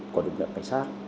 của lực lượng cảnh sát